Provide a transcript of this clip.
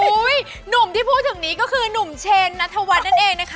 หนุ่มที่พูดถึงนี้ก็คือหนุ่มเชนนัทวัฒน์นั่นเองนะคะ